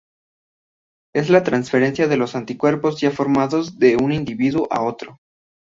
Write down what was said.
Es la transferencia de los anticuerpos ya formados de un individuo a otro.